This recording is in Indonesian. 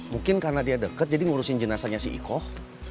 mungkin karena dia deket jadi ngurusin jenazahnya si ikoh